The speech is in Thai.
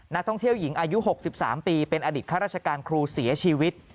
นักท่องเที่ยวหญิงอายุ๖๓ปีเป็นอดีตข้าราชการครูเสียชีวิต